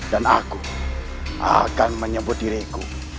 dan aku akan menyebut diriku